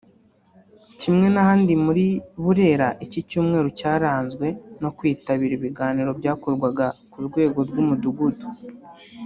Kimwe n’ahandi muri Burera iki cyumweru cyaranzwe no kwitabira ibiganiro byakorwaga ku rwego rw’umudugudu